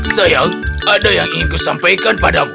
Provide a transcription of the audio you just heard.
sayang ada yang ingin kusampaikan padamu